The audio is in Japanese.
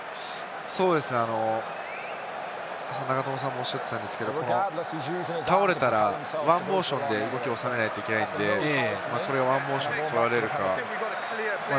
永友さんもおっしゃっていましたが、倒れたら、１モーションで動きを収めないといけないんで、これを１モーションと取られるかどうか。